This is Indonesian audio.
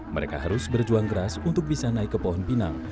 mereka harus berjuang keras untuk bisa naik ke pohon pinang